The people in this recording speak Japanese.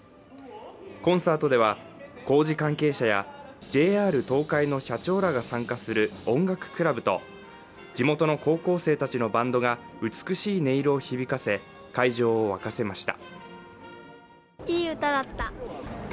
コンサートでは工事関係者やＪＲ東海の社長らが参加する音楽クラブと地元の高校生たちのバンドが美しい音色を響かせ、会場を沸かせました。